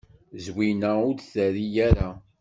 Zwina ur d-terri ara.